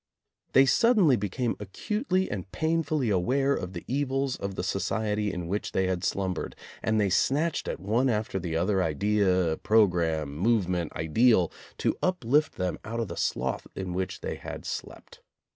They suddenly became acutely and painfully aware of the evils of the society in which they had slumbered and they snatched at one after the other idea, programme, movement, ideal, to uplift them out of the slough in which they had slept.